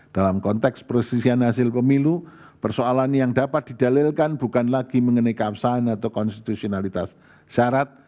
dalam konteks perselisihan hasil pemilu persoalan yang dapat didalilkan bukan lagi mengenai keabsahan atau konstitusionalitas syarat